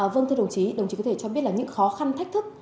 vâng thưa đồng chí đồng chí có thể cho biết là những khó khăn thách thức